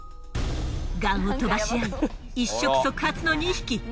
ガンを飛ばしあい一触即発の２匹。